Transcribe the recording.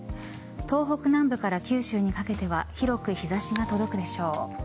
東北南部から九州にかけては広く日差し届くでしょう。